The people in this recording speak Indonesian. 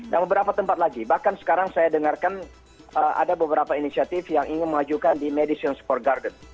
dan beberapa tempat lagi bahkan sekarang saya dengarkan ada beberapa inisiatif yang ingin mengajukan di medicines for garden